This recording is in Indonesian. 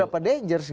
saya itu seberapa